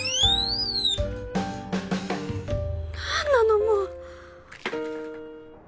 何なのもう。